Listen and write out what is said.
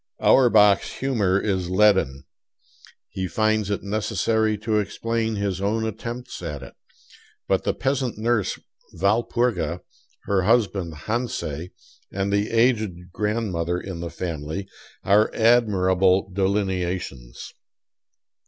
Auerbach's humor is leaden; he finds it necessary to explain his own attempts at it. But the peasant nurse Walpurga, her husband Hansei, and the aged grandmother in the family, are admirable delineations.